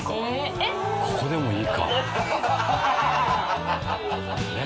ここでもいいか。